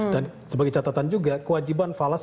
dan sebagai catatan juga kewajiban falas